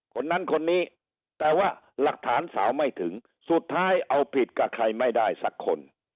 คนนั้นคนนี้แต่ว่าหลักฐานสาวไม่ถึงสุดท้ายเอาผิดกับใครไม่ได้สักคน